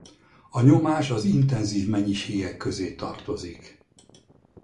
A nyomás az intenzív mennyiségek közé tartozik.